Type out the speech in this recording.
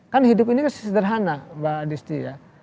kan hidup ini sederhana mbak adisti ya